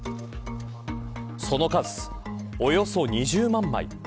その数、およそ２０万枚。